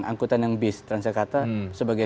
angkutan yang bis transjakarta sebagai